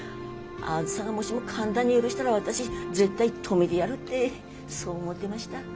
あづさがもしも簡単に許したら私絶対止めでやる」ってそう思ってました。